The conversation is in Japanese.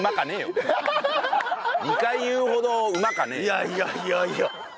いやいやいやいや。